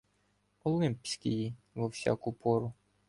Олимпськії во всяку пору